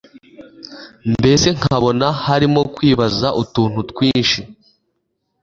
mbese nkabona karimo kwibaza utuntu twinshi